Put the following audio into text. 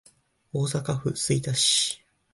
大阪府吹田市